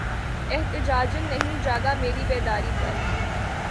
احتجاجاً نہیں جاگا مری بیداری پر